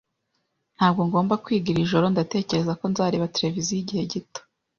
Ntabwo ngomba kwiga iri joro. Ndatekereza ko nzareba televiziyo igihe gito